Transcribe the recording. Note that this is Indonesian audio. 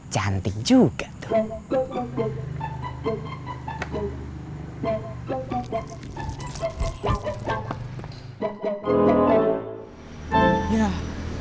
cantik juga tuh